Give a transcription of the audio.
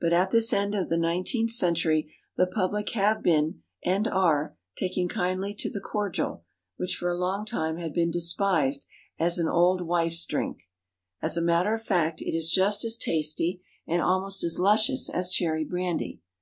But at this end of the nineteenth century, the public have been, and are, taking kindly to the cordial, which for a long time had been despised as an "auld wife's drink." As a matter of fact, it is just as tasty, and almost as luscious as cherry brandy.